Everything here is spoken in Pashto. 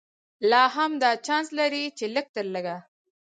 لا هم دا چانس لري چې لږ تر لږه.